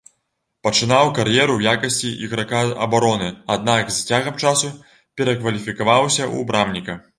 Пачынаў кар'еру ў якасці іграка абароны, аднак з цягам часу перакваліфікаваўся ў брамніка.